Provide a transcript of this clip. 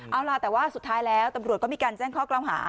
เอาล่ะแต่ว่าสุดท้ายแล้วตำรวจก็มีการแจ้งข้อกล่าวหา